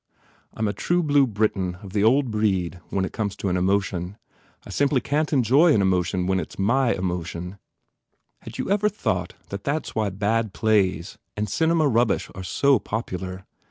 I m a true blue Briton of the old breed when it comes to an emotion. I simply can t enjoy an emotion when it s my emotion. ... Had you ever thought that that s why bad plays and cinema rubbish are so popular?